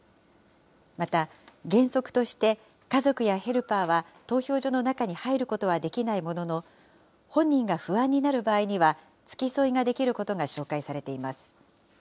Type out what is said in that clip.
また、原則として、家族やヘルパーは、投票所の中に入ることはできないものの、本人が不安になる場合には、付き添いができることが紹介されています。